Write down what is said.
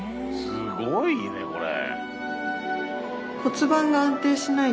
すごいねこれ。